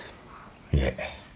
いえ。